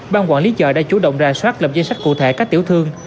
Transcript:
ban quản lý chợ đã chủ động ra soát lập danh sách cụ thể các tiểu thương